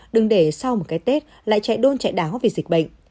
đừng để sau một cái tết lại chạy đôn chạy đáo vì dịch bệnh